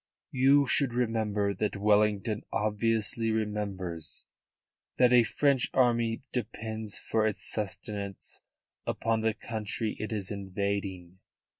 "You should remember what Wellington obviously remembers: that a French army depends for its sustenance upon the country it is invading.